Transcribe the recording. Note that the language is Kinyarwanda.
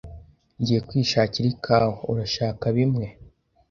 Ngiye kwishakira ikawa. Urashaka bimwe?